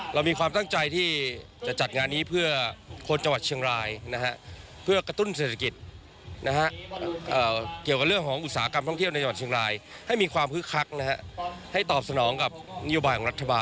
เรามีความตั้งใจที่จะจัดงานนี้เพื่อคนจังหวัดเชียงรายนะฮะ